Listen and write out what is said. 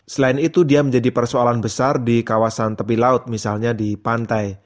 selain itu dia menjadi persoalan besar di kawasan tepi laut misalnya di pantai